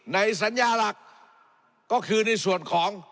ในสัญญาหลักก็คือในส่วนของ